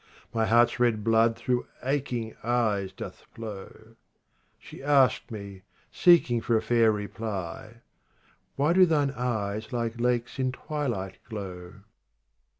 My heart's red blood through aching eyes doth flow She asked me, seeking for a fair reply :" Why do thine eyes like lakes in twilight glow